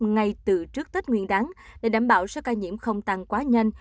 ngay từ trước tết nguyên đáng để đảm bảo số ca nhiễm không tăng quá nhanh